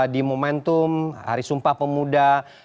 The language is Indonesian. di momentum hari sumpah pemuda